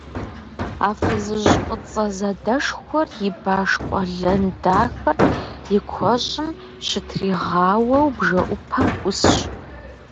А фызыжь фӏыцӏэ задэшхуэр и баш къуэлэн дахэр и куэщӏым щытригъауэу бжэӏупэм ӏусщ.